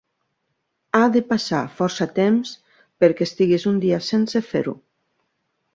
Ha de passar força temps perquè estiguis un dia sense fer-ho.